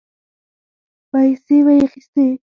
پيسې به يې اخيستې.